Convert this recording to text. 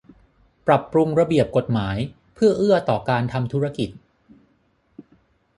ปรับปรุงระเบียบกฎหมายเพื่อเอื้อต่อการทำธุรกิจ